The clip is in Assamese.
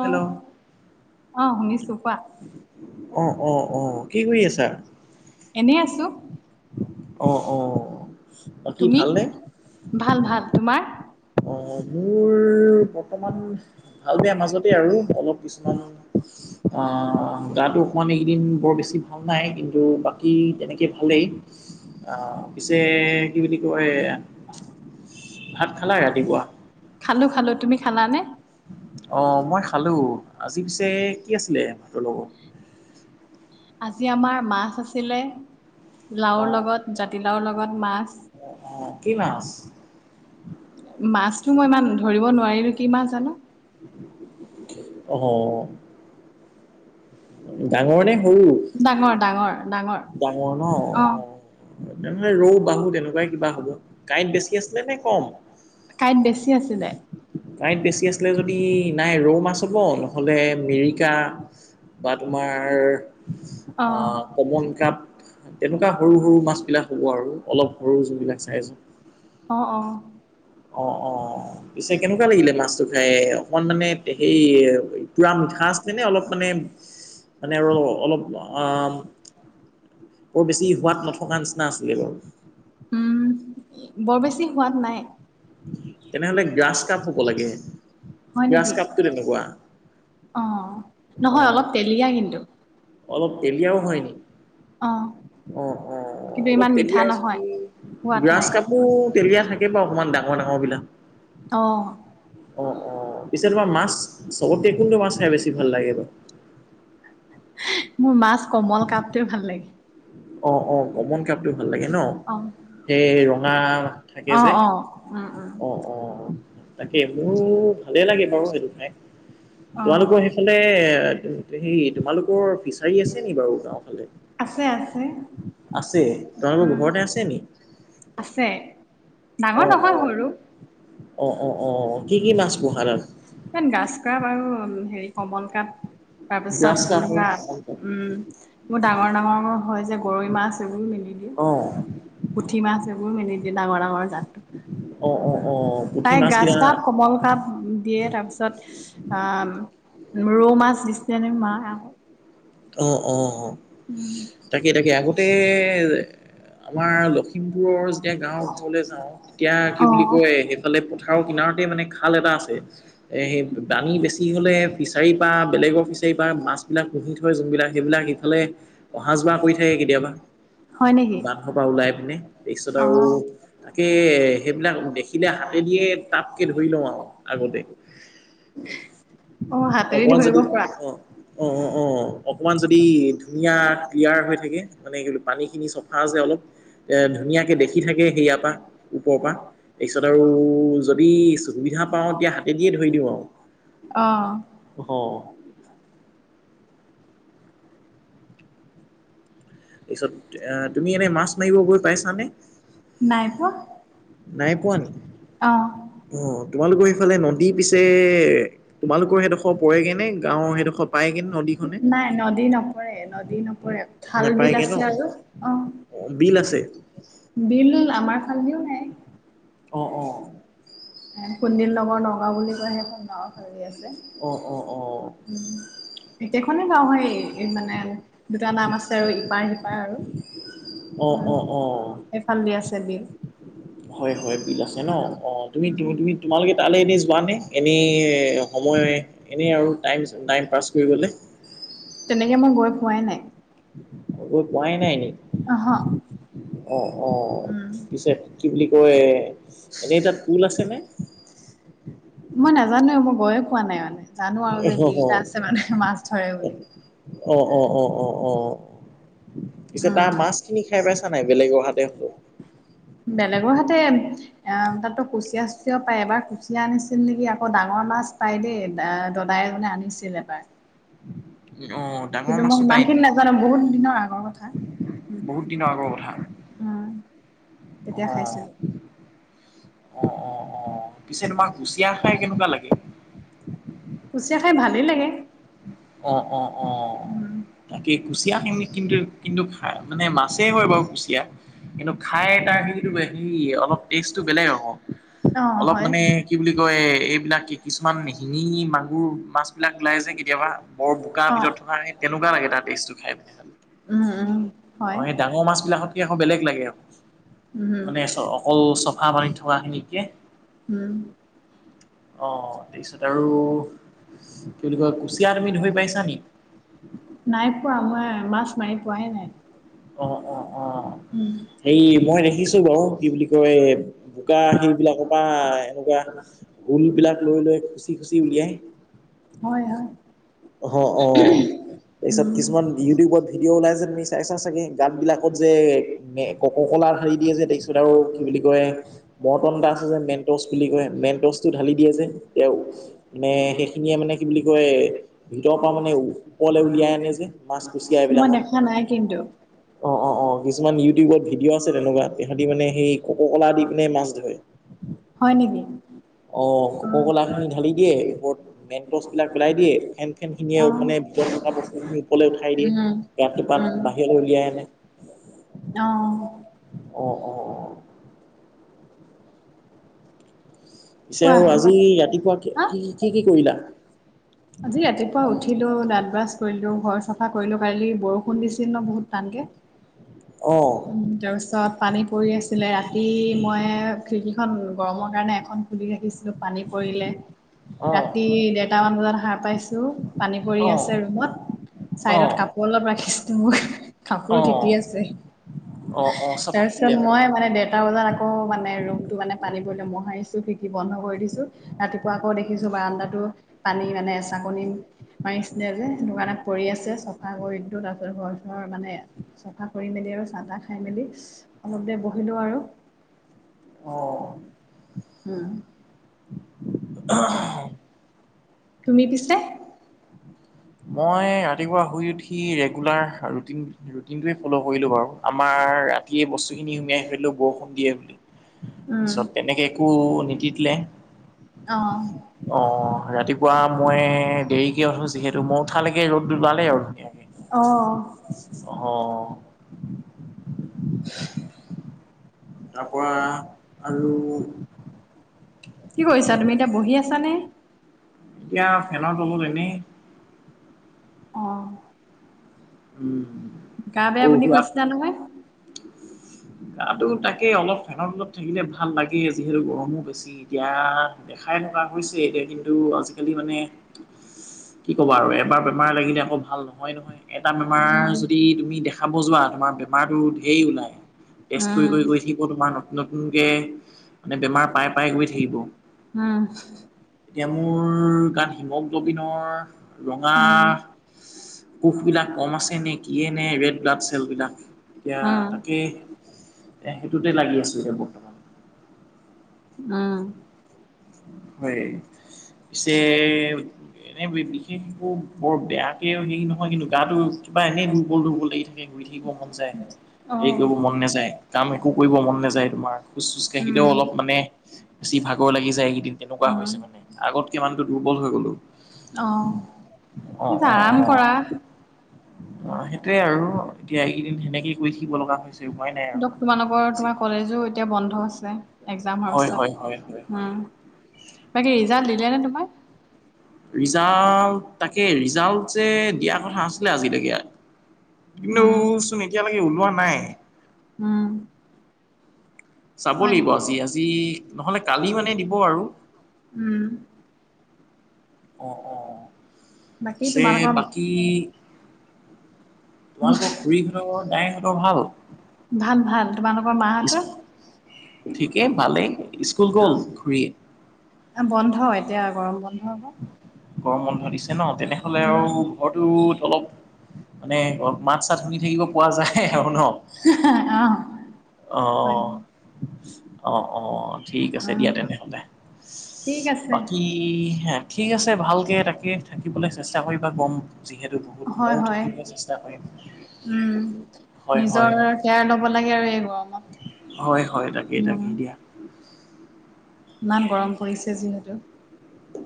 হেল্ল'। অ শুনিছো কোৱা অ' অ' অ', কি কৰি আছে? চা এনেই আছো। অ' অ'। বাকী তুমি? ভালনে? ভাল ভাল। তোমাৰ? অ' মোৰ বৰ্তমান ভাল বেয়া মাজতে আৰু। অলপ কিছুমান আ গাতো অকমান এইকেইদিন বৰ বেছি ভাল নাই। কিন্তু বাকী তেনেকে ভালেই। অ' পিছে কি এ ভাত খালা ৰাতিপুৱা? খালোঁ খালোঁ। তুমি খালানে? অ' মই খালো। আজি পিছে কি আছিলে ভাতৰ লগত? আজি আমাৰ মাছ আছিলে। লাওৰ অ', লগত, জাতিলাওৰ লগত মাছ। অ', অ', কি মাছ? মাছটো মই ইমান ধৰিব নোৱাৰিলো, কি মাছ জানো! অ'। ডাঙৰ নে? সৰু? ডাঙৰ ডাঙৰ, ডাঙৰ। অ'। তেনেহ'লে ৰৌ-বাহু তেনেকুৱাই কিবা হ'ব। কাঁইট বেছি আছিলে নে কম? কাঁইট বেছি। আছিলে কাঁইট বেছি আছিলে যদি। নাই ৰৌ মাছ হ'ব, নহ'লে মিৰিকা। বা তোমাৰ, অ আ কমন কাপ তেনেকুৱা সৰু-সৰু মাছবিলাক হ'ব আৰু! অলপ সৰু যোনবিলাক চাইজত। অ অ অ' অ'। পিছে কেনেকুৱা লাগিলে মাছটো খাই? অকণ মানে সেই পুৰা মিঠা আছে নে অলপ মানে। মানে আৰু অলপ আ। বৰ বেছি সোৱাদ নথকা নিচিনা আছিলে বাৰু। উম বৰ বেছি সোৱাদ নাই। তেনেহ'লে গ্ৰাছ কাপ হ'ব লাগে হয় গ্ৰাছ নেকি? কাপটো তেনেকুৱা অ' নহয় অ', অলপ তেলীয়া কিন্তু! অলপ তেলীয়াও হয় নি? অ'। অ', অ' কিন্তু অলপ ইমান মিঠা তেলীয়াই নহয় যদি, সোৱাদ নাই গ্ৰাছকাপো তেলীয়া থাকে। থাকে বাৰু অকমান ডাঙৰ- ডাঙৰবিলাক। অ অ' অ' পিছে তোমাৰ মাছ, চবতকে কোনটো মাছ খাই বেছি ই ভাল লাগে বা। মোৰ মাছ কমল কাপটো ভাল লাগে অ অ কমন কাপটো ভাল লাগে ন অ সেই ৰঙা থাকে অ যে অ উম উম অ অ। তাকে মোৰ ভালে লাগে বাৰু সেইটো খাই অ তোমালোকৰ সেইফালে সেই তোমালোকৰ ফিচাৰী আছে নি বাৰু গাও ফালে আছে আছে আছে উম তোমালোকৰ ঘৰতে আছে নি? আছে ডাঙৰ অ', নহয় অ'। সৰু অ উ অ অ কি কি মাছ পোহা তাত? ইমান গাজ কাপ আৰু হেৰি কমল কাৰাপ। তাৰ পিছত গ্ৰাছ কাপ আৰু ধৰা শ'ল কাপ। উম মোৰ ডাঙৰ ডাঙৰ হয় যে গৰৈ মাছ এইব অ পুঠি মাছ এইবোৰ মেলি দিয়ে ডাঙৰ ডাঙৰ জা অ অ অ উঠি প্ৰাই গছ কাপ কমল কাপ দিয়ে তাৰপিছত। ৰৌ মাছ দিছেনে মায় আকৌ। অ অ অ তাকে তাকে আগতে আমাৰ লখিমপুৰৰ যেতিয়া গাঁৱৰ ঘৰলৈ যাওঁ তেতিয়া কি অ বুলি কয় সেইফালে পথাৰৰ কিনাৰ মানে খাল এটা আছে এ সেই দানি বেছি কি হ'লে ফিচাৰীৰ পৰা বেলেগৰ ফিচাৰীৰ পৰা মাছবিলাক পুহি থাক হয় যোনবিলাক সেইবিলাক ইফালে অহা যোৱা কৰি থাকে কেতিয়াবা হয় নেকি বানস পৰাা ওলাই পিনে তাৰপিছত আৰু অ', তাকে সেইবিলাক দেখি কিনে হাতে দিয়ে তটাপকে ধৰি লওঁ আৰু আগতে অ', হাতেদি অকমান ধৰিব যদি পৰা অ অ অ অকণমান যদি ধুনীয়া ক্লিয়াৰ হৈ থাকে মানে কি পানীখিনি চফা যে অলপ ধুনীয়াকে দেখি থাকে সেয়াৰ পৰা ওপৰৰ পৰা। তাৰপিছত আৰু যদি সুবিধা পাওঁ তেতিয়া হাতে দিয়ে ধৰি দিওঁ আৰু অ ঘ তাৰপিছত এ তুমি এনে মাছ মাৰিব গৈ পাইছানে নাই পোৱা নাই পোৱা নে অ', অ তোমালোকৰ সেইফালে নদী পিছে তোমালোকৰ সেইডোখৰ পৰা কেনে গাঁৱৰ সেইডোখৰ পায় কেনে নদীখনে নাই নদী নপৰে নদী নপৰে খাল বিল নাপায়গে ন? আছে আৰু অ অ', বিল আছে? বিল আমাৰ খালদিও নাই অঁ অঁ কুন্দিল নগৰ নগাঁও বুলি কয় সেইখন গাঁওৰ ভালি আছে অ অ অ এখনেই গাঁও হয় মানে দুটা নাম আছে আৰু ইপাৰ সিপাৰ আৰু অ', অ', অ', উ সখন বি আছে বি হয় হয় বিল আছে ন অ তুমি তুমি তোমালোকে তালৈ এনেই যোৱানে এনেই সময় এনেই আৰু টাইম নাইম প পাছ কৰিবলৈ তেনেকে মই গৈ পোৱাই নাই গৈ পোৱাই নাই নক অহ অ অ উম পিছে কি বুলি কয় এনেই তাত পুল আছে নে মই নাজানো মই মোৰ বয়স কোৱা নাই মানে জানো আৰু যে অ', অ', বিল এটা আছে অ', মানে মাছ ধৰে বুলি অ', অ', অ'। অ'। পিছে তাৰ উম মাছখিনি খাই পাইছা নাই বেলেগ অহাতে হলে বেলেগৰ হাতে অ তাতো কুচিয়া কুচিয়া পায় এবাৰ কুচিয়া আনিছিল নেকি আকৌ ডাঙৰ মাছ পাই দেই দদাই এজনে আনিছিল এবাৰ অ ডাঙৰ কিন্তু মই মাছটো ইমান পায় নি খিনি নাজানো বহুত দিনৰ আগৰ কথা বহুত দিনৰ আগৰ কথা উম তেতিয়া অ খাইছিলোঁ। অ' অ' অ' পিছে তোমাৰ কুচিয়া খাই কেনেকুৱা লাগে? কুচিয়া খাই ভালেই লাগে। অ' অ' অ' উম। তাকে কুচিয়াখিনি কিন্তু, কিন্তু মানে মাছেই হয় বাৰু কুচিয়া। কিন্তু খাই তাৰ সেইটো হেৰি অলপ টেষ্টটো বেলেগ আক'। অ অলপ হয় মানে কি বুলি কয়, এইবিলাক কিছুমান শিঙি-মাগুৰ মাছবিলাক ওলাই যে কেতিয়াবা বৰ বোকাৰ অ ভিতৰত থকা সেই তেনেকুৱা লাগে তাৰ টেষ্টটো খাই পিনে, খালে। উম উম হয় অ' সেই ডাঙৰ মাছবিলাকতকে আকৌ, বেলেগ লাগে আকৌ। উম মানে অকল চফা পানীত থকাখিনিতকে। উম অ' তাৰপিছত আৰু কি বুলি কয়, কুচিয়া। তুমি ধুই পাইছানি? নাই পোৱা, মই মাছ মাৰি পোৱাই নাই। অ অ অ উম। হেৰি মই দেখিছো বাৰু, কি বুলি কয়! বোকা সেইবিলাকৰ পৰা এনেকুৱা, গোলবিলাক লৈ লৈ খুচি খুচি উলিয়ায়। হয় হয়। অ' অ'। তাৰপিছত কিছুমান ইউটিউবত ভিডিঅ' ওলাই যে, তুমি চাইছা চাগে! গাঁতবিলাকত যে কক ক ঢালি দিয়ে যে তাৰপিছত আৰু কি বুলি কয়, মটন এটা আছে যে মেনটচ বুলি কয় মেনটচটো ঢালি দিয় যে। তেওঁ মানে সেইখিনিয়ে মানে কি বুলি কয় ভিতৰৰ পৰা মানে ওপৰলৈ উলিয়াই আনে যে, মাছ কুচিয়া মই এইবিলাকক দেখা নাই কিন্তু। অ' অ' অ'। কিছুমান ইউটিউবত ভিডিঅ' আছে তেনেকুৱা, তেহেতি মানে সেই কক কলা দি পিনে মাছ ধৰে। হয় নেকি? অ' কক ক'লাখিনি ঢালি দিয়ে। ওপৰত মেনটচবিলাক পেলাই দিয়ে। ফেন- ফেনখিনিয়ে অ মানে ভিতৰত থকা বস্তুখিনি ওপৰলে উঠাই দিয়ে। উম ইয়াত টোপাত উম বাহিৰলৈ উলিয়াই আনে। অ অ' অ'। পিছে কোৱা আৰু আজি ৰাতিপুৱা হা কি, কি কি কৰিলা? আজি ৰাতিপুৱা উঠিলো, দাঁত ব্ৰাছ কৰিলো। ঘৰ চাফা কৰিলো, কালো বৰষুণ দিছিল ন বহুত টানকে অ' উম, তাৰপিছত পানী পৰি আছিলে, ৰাতি মই খিৰিকী এখন গৰমৰ কাৰণে এখন খুলি ৰাখিছিলো, পানী পৰিলে। অ' ৰাতি দেৰটামান বজাত সাৰ পাইছো পানী পৰি অ' আছে ৰুমত অ' চাইডত কাপোৰ অলপ ৰাখিছো, মোক কাপোৰো অ' তিতি আছে। অ' অ' চব তাৰপিছত থাকিলে বাৰু মই মানে ডেৰটা বজাত আকৌ মানে ৰুমটো মানে পানী পৰিলে, মহাৰিছো। শী বন্ধ কৰি দিছো। ৰাতিপুৱা আকৌ দেখিছো বাৰাণ্ডাতো পানী মানে এচাকনি ম হেনেকুৱাতে পৰি আছে। চাফা কৰি দিলোঁ। তাৰপিছত ঘৰ-চৰ মানে চফা কৰি মেলি আৰু চাহ-তাহ খাই মেলি অলপ দেৰি বহিলো আৰু। উ উম। [inaudible] তুমি পিছে? মই ৰাতিপুৱা শুই উঠি ৰেগুলাৰ ৰুটিন। ৰুটিনটোৱ ফ'ল' কৰিলো বাৰু, আমাৰ ৰাতিয়ে বস্তুখিনি সুমিয়াই থৈ দিলোঁ বৰষুণ দিয়ে বুলি। উম পিছত তেনেকে একো নিতিতিলে অ অ' ৰাতিপুৱা মই দেৰিকে উঠোঁ, যিহেতু ম লাগে ৰ'দ ওলালে আৰু অ ধুনীয়াকে অ'। তাৰ পৰা, আৰু কি কৰিছা তুমি এতিয়া বহি আছানে? এতিয়া ফেনত ৰ'ব এনে আহ। উম। গা বেয়া সৰু বুলি সুৰাত কৈছিলা নহয়? গাটো তাকে অলপ ফেনত তলত থাকিলে ভাল লাগে যিহেতু গৰমো বেছি। এতিয়া দেখাই থকা হৈছে এতিয়া কিন্তু আজিকালি মানে- কি ক'বা আৰু এবাৰ বেমাৰ লাগিলে আকৌ ভাল নহয় নহয় এটা বেমাৰ উম যদি তুমি দেখা ব যোৱা তোমাৰ বেমাৰো ঢেই ওলায়। ত কৰি কৰি গৈ থাকিব তোমাৰ নতুন নতুন কে মানে বেমাৰ পাই পাই গৈ থাকিব। উম এতিয়া মোৰ গান হিমক কবিনৰ ৰঙা উম উম কোষবিলাক কম আছে নে কিয়ে নে ৰেড ব্লাড চেলবিলাক এতিয়া উম তাকে এ সেইটোতে লাগি আছো এতিয়া বৰ্তমান উম। হয় পিছে এনে বিশেষ একো বৰ বেয়াকে হেৰি নহয় কিন্তু গাটো কিবা এনেই দুৰ্বল দুৰ্বল লাগি থাকে। শুই থাকিব মন যায় অ', হেৰি কৰিব মন নাযায় কাম একো কৰিব মন নাযায় তোমাৰ খোজ চোজ উম, কঢ়িলেও অলপ মানে বেছি ভাগৰ লাগি যায়। কেইদিন তেনেকুৱা উম, হৈছে মানে আগতকে মানুতো দুৰ্বল হৈ গ'লো। আহ অ স অ অ আৰাম কৰা। অ সেইটোয়ে আৰু এতিয়া এইকেইদিন সেনেকেই কৰি থাকিব লগা হৈছে। উপায় নাই আৰু দক তোমালোকৰ তোমাৰ কলেজো এতিয়া বন্ধ আছে। এক্জামৰ হয় পছত হয় হয় হয় অ। হয় বাকী ৰিজাল্ট দিলে নে তোমাৰ? ৰিজাল্ট তাকে ৰিজাল্ট যে দিয়া কথা আছিলে আজিলৈকে। উম, কিন্তুচোন এতিয়ালেকে ওলোৱা নাই। উম, চাব হয় লাগিব নেকি? আজি আজি নহলে কালি মানে দিব আৰু। উম, অ অ বাকী পিছে তোমালোকৰ বাকী তোমালোকৰ খুৰীহঁতৰ, ডাইহঁতৰ ভাল? ভাল ভাল তোমালোকৰ মাহঁতৰ? ঠিকে ভালে, স্কুল গ'ল খোৰিয়ে? অ বন্ধ এতিয়া গৰম বন্ধ। হ'ব। গৰম বন্ধ দিছে ন, তেনেহলে উম, আৰু ঘৰটোত অলপ মানে অ মাত চাত শুনি থাকিব পোৱা যায় আৰু ন। অ', অ হয়, অ অ, ঠিক আছে উম, দিয়া তেনেহলে। ঠিক আছে বাকী হে ঠিক আছে ভালকে তাকে থাকিবলে চেষ্টা কৰিবা গৰম যিহেতু বহুত হয় ময়ো হয়। থাকিবলৈ চেষ্টা কৰিম। উম, হয় নিজৰ হয় কেয়াৰ লব লাগে আৰু আৰু আমাক হয় হয় তাকেই উম। তাকেই [inaudible] দিয়া ইমান গৰম পৰিছে যিহেতু।